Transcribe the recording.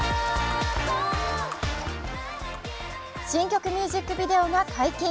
新曲ミュージックビデオが解禁。